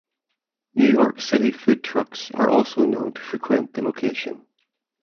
New York City food trucks are also known to frequent the location.